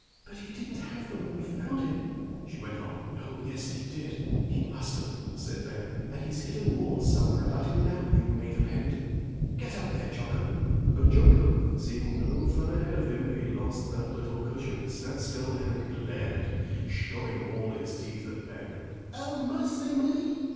"But he didn't have them when we found him," she went on. "Oh, yes, he did; he must have," said Ben; "and he's hidden more somewhere about him now, you may depend. Get up there, Jocko!" But Jocko, seeing no fun ahead of him if he lost that little cushion, sat still and glared, showing all his teeth at Ben. "O mercy me!"